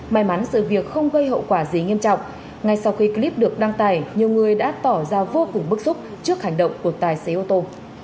may mắn sự việc không gây hậu quả gì nghiêm trọng ngay sau khi clip được đăng tải nhiều người đã tỏ ra vô cùng bức xúc trước hành động của tài xế ô tô